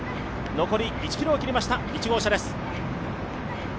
残り１ｋｍを切りました、１号車です。